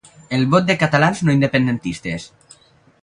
El vot de catalans no independentistes.